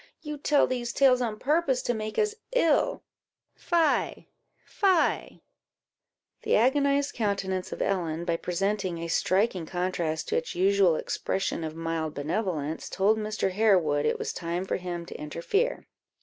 You tell these tales on purpose to make us ill fie! fie!" The agonized countenance of Ellen, by presenting a striking contrast to its usual expression of mild benevolence, told Mr. Harewood it was time for him to interfere.